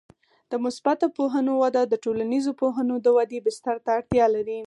د مثبته پوهنو وده د ټولنیزو پوهنو د ودې بستر ته اړتیا لري.